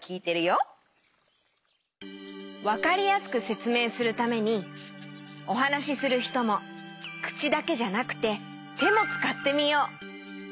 わかりやすくせつめいするためにおはなしするひともくちだけじゃなくててもつかってみよう。